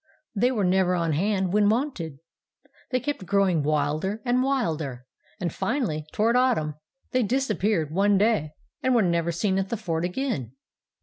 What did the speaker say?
They were never on hand when wanted. They kept growing wilder and wilder, and finally, toward autumn, they disappeared one day, and were never seen at the fort again.